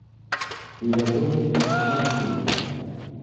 Li laboris en Moskvo.